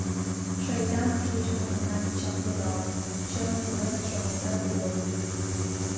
«Шайтан, кеч-мо гынат чапле вате», — чон йӱлен шоналта тудо.